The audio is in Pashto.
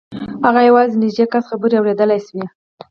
هغه یوازې د نږدې کس خبرې اورېدلای شوې